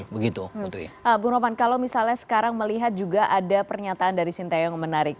bang ropan kalau misalnya sekarang melihat juga ada pernyataan dari shin taeyong menarik